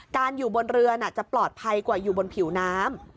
อยู่บนเรือจะปลอดภัยกว่าอยู่บนผิวน้ำ